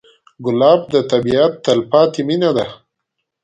ګلاب د طبیعت تلپاتې مینه ده.